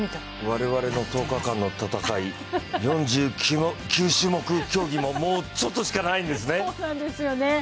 我々の１０日間の戦い、４９種目競技ももうちょっとしかないんですね。